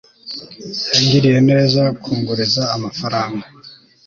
yangiriye neza kunguriza amafaranga